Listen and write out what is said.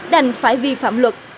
đành phải vi phạm luật